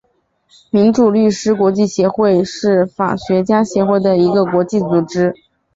民主律师国际协会是法学家协会的一个国际组织。